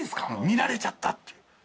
見られちゃったっていう。